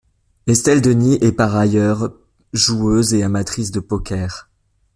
Estelle Denis est par ailleurs joueuse et amatrice de poker.